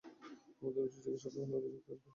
আমাদের উচিৎ চিকিৎসায় অবহেলার অভিযোগ দায়ের করা।